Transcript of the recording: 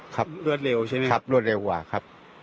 ครับเลือดเร็วใช่ไหมครับเลือดเร็วกว่าครับ